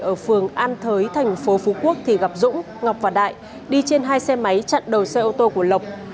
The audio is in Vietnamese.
ở phường an thới thành phố phú quốc thì gặp dũng ngọc và đại đi trên hai xe máy chặn đầu xe ô tô của lộc